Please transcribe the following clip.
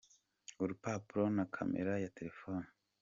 uruparuro na camera ya telefone.